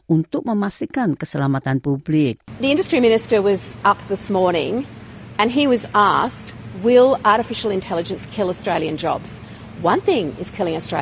untuk memastikan keselamatan publik